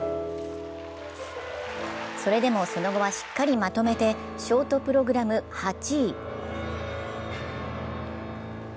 それでもその後は、しっかりまとめて、ショートプログラム８位。